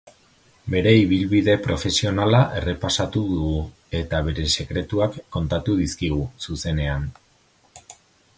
Bere ibilbide profesionala errepasatu dugu eta bere sekretuak kontatu dizkigu, zuzenean.